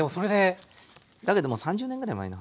だけども３０年ぐらい前の話なので。